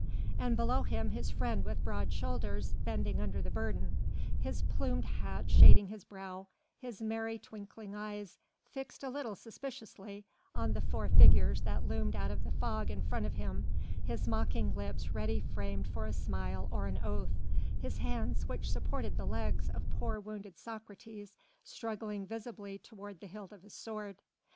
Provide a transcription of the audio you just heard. And below him his friend with broad shoulders bending under the burden, his plumed hat shading his brow, his merry, twinkling eyes fixed a little suspiciously on the four figures that loomed out of the fog in front of him, his mocking lips ready framed for a smile or an oath, his hands which supported the legs of poor wounded Socrates struggling visibly toward the hilt of his sword.